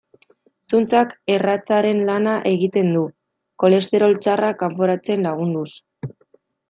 Zuntzak erratzaren lana egiten du, kolesterol txarra kanporatzen lagunduz.